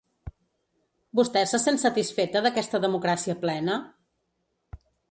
Vostè se sent satisfeta d’aquesta democràcia plena?